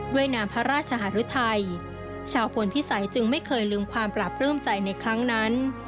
นามพระราชหารุทัยชาวพลพิสัยจึงไม่เคยลืมความปราบปลื้มใจในครั้งนั้น